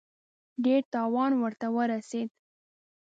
ډېر تاوان ورته ورسېد.